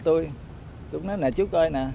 tôi cũng nói nè chú coi nè